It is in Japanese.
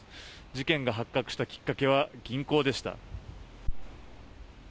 事件が発覚したきっかけは銀行でした。